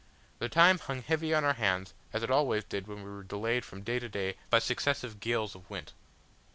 The time hung heavy on our hands, as it always did when we were delayed from day to day by successive gales of wind.